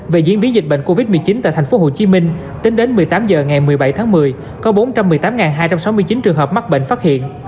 về diễn biến dịch bệnh covid một mươi chín tại tp hcm tính đến một mươi tám h ngày một mươi bảy tháng một mươi có bốn trăm một mươi tám hai trăm sáu mươi chín trường hợp mắc bệnh phát hiện